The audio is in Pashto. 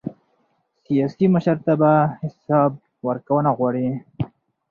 سیاسي مشرتابه حساب ورکونه غواړي